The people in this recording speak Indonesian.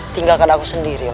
tinggalkan aku sendiri yus